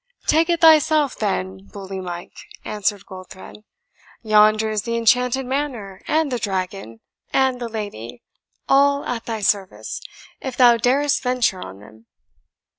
"Take it thyself, then, bully Mike," answered Goldthred. "Yonder is the enchanted manor, and the dragon, and the lady, all at thy service, if thou darest venture on them."